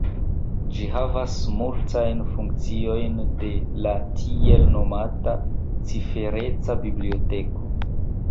Ĝi havas multajn funkciojn de la tiel nomata cifereca biblioteko.